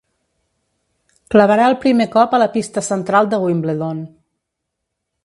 Clavarà el primer cop a la pista central de Wimbledon.